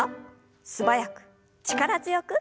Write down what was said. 素早く力強く。